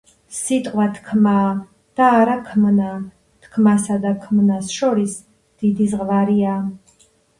„სიტყვა თქმაა და არა ქმნა. თქმასა და ქმნას შორის დიდი ზღვარია.“